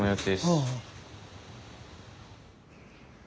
ああ。